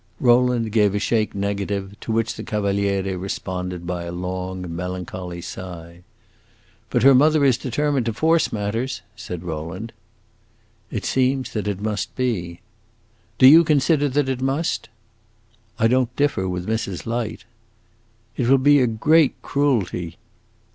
Rowland gave a shake negative, to which the Cavaliere responded by a long, melancholy sigh. "But her mother is determined to force matters," said Rowland. "It seems that it must be!" "Do you consider that it must be?" "I don't differ with Mrs. Light!" "It will be a great cruelty!"